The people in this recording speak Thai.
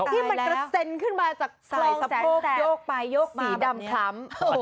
ที่มันกระเส้นอยอกสีดำคล้ำ